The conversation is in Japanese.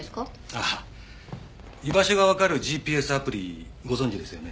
ああ居場所がわかるＧＰＳアプリご存じですよね？